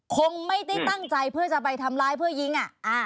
คงไม่ได้ตั้งใจเพื่อจะไปทำร้ายเพื่อยิงอ่ะอ่า